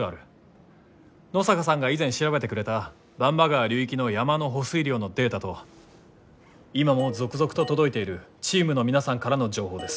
野坂さんが以前調べてくれた番場川流域の山の保水量のデータと今も続々と届いているチームの皆さんからの情報です。